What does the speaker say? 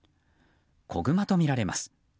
子グマとみられます。